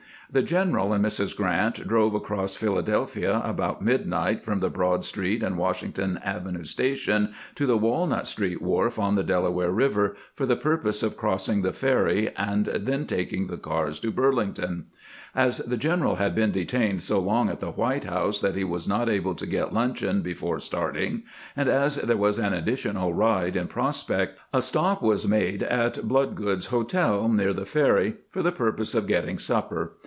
The general and Mrs. Grant drove across Philadelphia about midnight from the Broad street and Washington Avenue station to the Walnut street wharf on the Dela ware Eiver, for the purpose of crossing the ferry and then taking the cars to Burlington. As the general had been detained so long at the White House that he was not able to get luncheon before starting, and as there was an additional ride in prospect, a stop was made at Bloodgood's Hotel, near the ferry, for the purpose of getting supper.